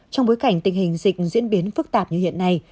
trong bối cảnh tình hình dịch diễn biến phức tạp như hiện nay